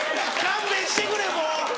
勘弁してくれもう。